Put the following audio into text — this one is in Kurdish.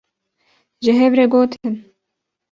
ji hev re gotin